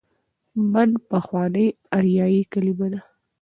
من: پخوانۍ آریايي کليمه ده.